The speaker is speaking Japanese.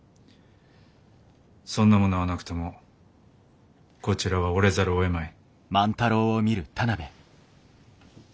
そんなものはなくてもこちらは折れざるをえまい。